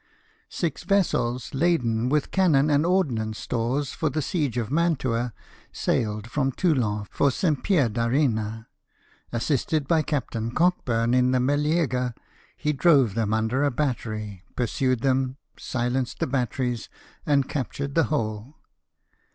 Six vessels laden with cannon and ordnance stores for the siege of Mantua sailed from Toulon for St. Pier BONAPARTE. 97 d'Arena. Assisted by Captain Cockburn, in the Meleager, he drove tbem under a battery, pursued them, silenced the batteries, and captured the whole.